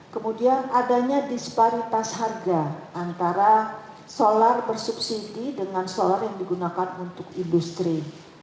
kemudian adanya disparitas harga antara solar bersubsidi dengan solar yang digunakan untuk industri